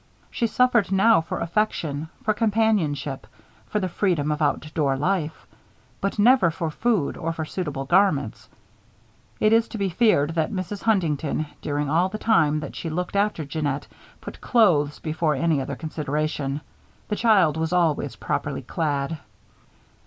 She suffered now for affection, for companionship, for the freedom of outdoor life; but never for food or for suitable garments. It is to be feared that Mrs. Huntington, during all the time that she looked after Jeannette, put clothes before any other consideration. The child was always properly clad.